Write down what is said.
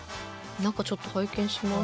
中ちょっと拝見します。